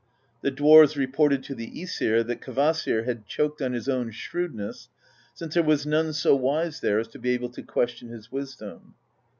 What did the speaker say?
The dwarves reported to the ^sir that Kvasir had choked on his own shrewdness, since there was none so wise there as to be able to question his wisdom.